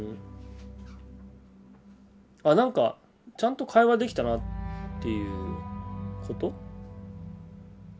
あなんかちゃんと会話できたなっていうこと？